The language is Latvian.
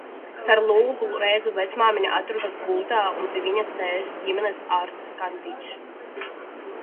Caur logu redzu, vecmāmiņa atrodas gultā un pie viņas sēž ģimenes ārsts Skadiņš.